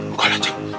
gak ada jeng